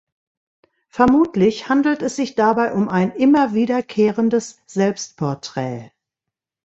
Vermutlich handelt es sich dabei um ein immer wiederkehrendes Selbstporträt.